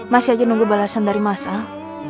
masih aja nunggu balasan dari mas al